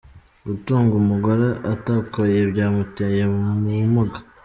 Gutunga umugore atakoye byamuteye ubumuga